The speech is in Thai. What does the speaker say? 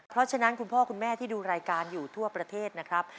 เพราะฉะนั้นคุณพ่อคุณแม่ที่ดูรายการอยู่ทั่วประเทศนะครับ